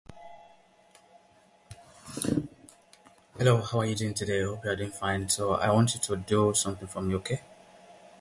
It distributed its products under the brand-name The Glenwood.